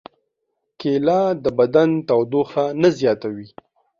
کېله د بدن تودوخه نه زیاتوي.